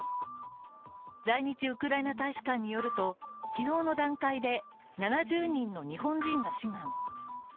在日ウクライナ大使館によると、昨日の段階で７０人の日本人が志願。